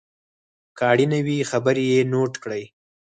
که اړینه وي خبرې یې نوټ کړئ.